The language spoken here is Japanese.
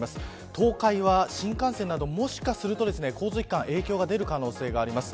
東海は新幹線などもしかすると交通機関、影響が出る可能性があります。